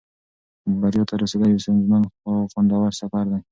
بریا ته رسېدل یو ستونزمن خو خوندور سفر دی.